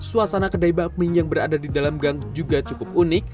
suasana kedai bakmi yang berada di dalam gang juga cukup unik